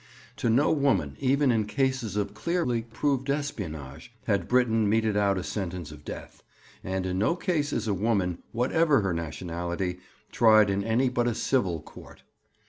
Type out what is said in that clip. To no woman, even in cases of clearly proved espionage, had Britain meted out a sentence of death; and in no case is a woman, whatever her nationality, tried in any but a civil court.